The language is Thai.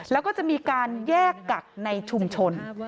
แล้วก็จะมีการแยกกักในชุมชน